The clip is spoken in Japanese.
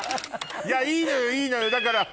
いやいいのよいいのよ。